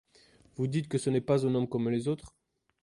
Vous dites que ce n'est pas un homme comme les autres ?